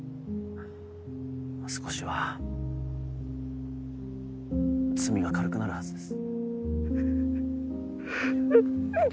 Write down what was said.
少しは罪が軽くなるはずです。